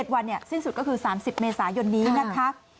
วันสิ้นสุดก็คือ๓๐เมษายนนี้นะคะ